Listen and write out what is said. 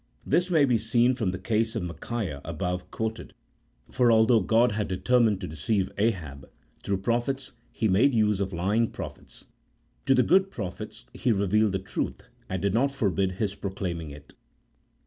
This may be seen from the case of Micaiah above quoted ; for although CHAP. II.] OF PROPHETS. 29 God had determined to deceive Ahab, through prophets, He made use of lying prophets ; to the good prophet He revealed the truth, and did not forbid his proclaiming it.